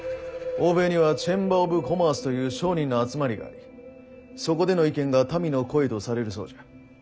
欧米にはチェンバー・オブ・コマースという商人の集まりがありそこでの意見が民の声とされるそうじゃ。